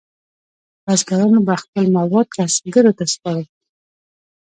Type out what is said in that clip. بزګرانو به خپل مواد کسبګرو ته سپارل.